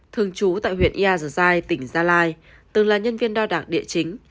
thường trú tại huyện yà già giai tỉnh gia lai từng là nhân viên đo đạc địa chính